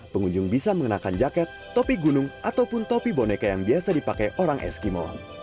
pengunjung bisa mengenakan jaket topi gunung ataupun topi boneka yang biasa dipakai orang eskimo